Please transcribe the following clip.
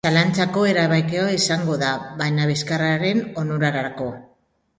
Zalantzazko erabakia izan da, baina bizkaitarren onurarako.